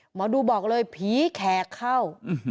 หมอดูบอกเลยผีแขกเข้า